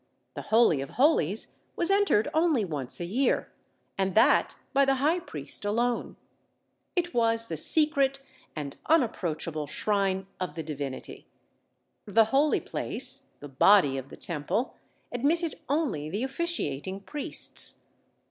The Holy of Holies was entered only once a year, and that by the High priest alone. It was the secret and unapproachable shrine of the Divinity. The Holy Place, the body of the Temple, admitted only the officiating priests.